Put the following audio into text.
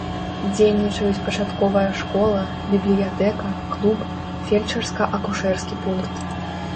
Дзейнічаюць пачатковая школа, бібліятэка, клуб, фельчарска-акушэрскі пункт.